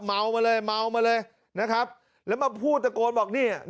เมามาเลยเมามาเลยนะครับแล้วมาพูดตะโกนบอกนี่